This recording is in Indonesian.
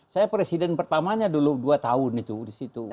saya presiden pertamanya dulu dua tahun itu di situ